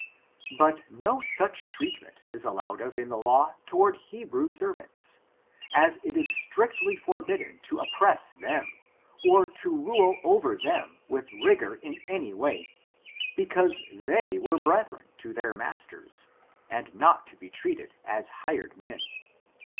But no such treatment is allowed of in the law to ward Hebrew servants, as it is strictly forbidden to oppress them, or to rule over them with rigor in any FORTUNEfly OP THB NSaRO &AOK. 139 way, because th^ were brethren^ to their masters, and not to be treated as hired men.